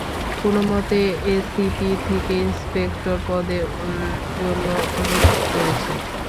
কোন মতে এসিপি থেকে ইন্সপেক্টর পদের জন্য অনুরোধ করেছি।